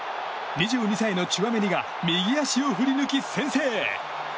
２２歳のチュアメニが右足を振り抜き先制。